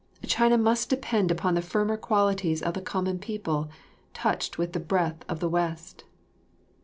China must depend upon the firmer qualities of the common people, touched with the breath of the West.